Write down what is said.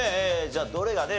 じゃあどれがね